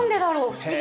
不思議。